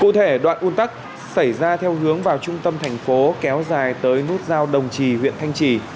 cụ thể đoạn un tắc xảy ra theo hướng vào trung tâm thành phố kéo dài tới nút giao đồng trì huyện thanh trì